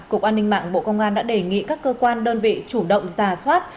cục an ninh mạng bộ công an đã đề nghị các cơ quan đơn vị chủ động giả soát